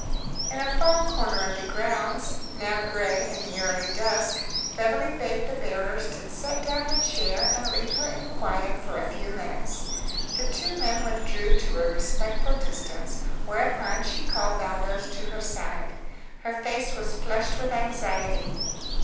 In a far corner of the grounds, now gray in the early dusk, Beverly bade the bearers to set down her chair and leave her in quiet for a few minutes. The two men withdrew to a respectful distance, whereupon she called Baldos to her side. Her face was flushed with anxiety.